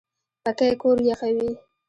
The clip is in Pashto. پکۍ کور یخوي